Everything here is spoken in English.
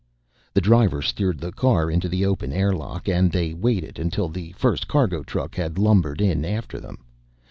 The driver steered the car into the open air lock, and they waited until the first cargo truck had lumbered in after them.